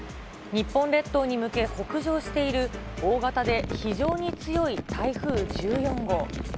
日本列島に向け北上している、大型で非常に強い台風１４号。